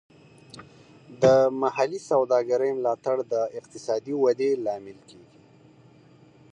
د محلي سوداګرۍ ملاتړ د اقتصادي ودې لامل کیږي.